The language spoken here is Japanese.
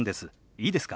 いいですか？